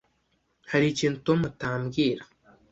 Hari ikintu Tom atambwira?